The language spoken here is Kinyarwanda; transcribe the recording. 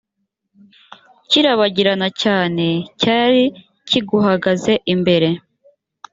kirabagirana cyane cyari kiguhagaze imbere